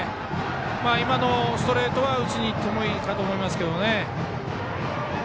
今のストレートは打ちに行ってもいいかと思いますけどね。